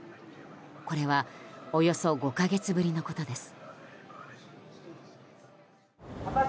これはおよそ５か月ぶりのことです。